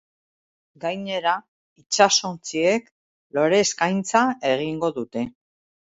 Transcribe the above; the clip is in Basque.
Gainera, itsasontziek lore eskaintza egingo dute.